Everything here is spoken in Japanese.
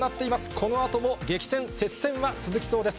このあとも激戦、接戦は続きそうです。